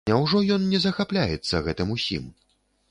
Няўжо ён не захапляецца гэтым усім?